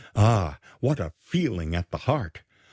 Ah! what a feeling at the heart!